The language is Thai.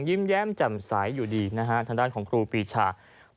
ยิ้มแย้มแจ่มใสอยู่ดีนะฮะทางด้านของครูปีชา